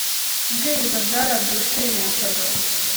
kubwiriza byaradushimishaga